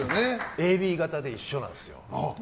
ＡＢ型で一緒なんですよ。